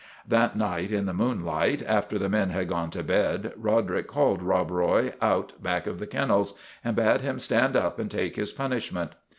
That night in the moonlight, after the men had gone to bed, Roderick called Rob Roy out back of the kennels and bade him stand up and take his pun ishment.